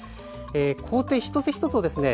工程一つ一つをですね